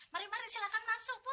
mari mari silahkan masuk bu